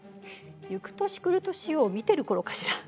「ゆく年くる年」を見てる頃かしら。